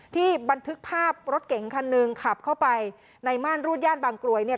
บันทึกภาพรถเก๋งคันหนึ่งขับเข้าไปในม่านรูดย่านบางกลวยเนี่ย